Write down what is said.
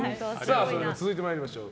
それでは続いて参りましょう。